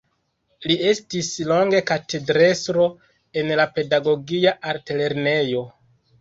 Li estis longe katedrestro en la Pedagogia Altlernejo.